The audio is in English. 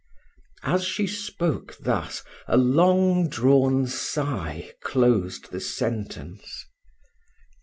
As she spoke thus, a long drawn sigh closed the sentence.